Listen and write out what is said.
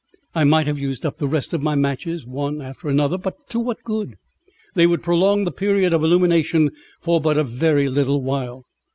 I might have used up the rest of my matches, one after another, but to what good? they would prolong the period of illumination for but a very little while.